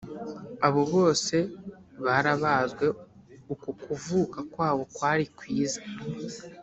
abo bose barabazwe uko kuvuka kwabo kwari kwiza